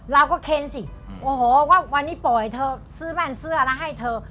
เราก็เค้นสิวันนี้ป่อยเธอซื้อบ้านซื้ออะไรให้เธอ